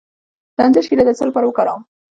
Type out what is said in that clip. د انځر شیره د څه لپاره وکاروم؟